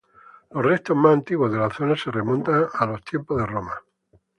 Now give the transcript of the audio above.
Los restos más antiguos de la zona se remontan a los tiempos de Roma.